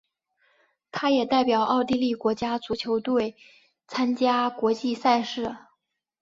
他也代表奥地利国家足球队参加国际赛事。